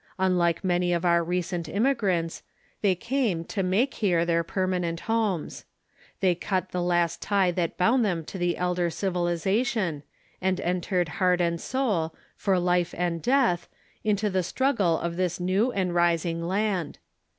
Unlike many of our recent im migrants, they came to make here their permanent homes. They cut the last tie that bound them to the elder civilization, and entered heart and soul, for life and death, into the struggle of this new and rising land.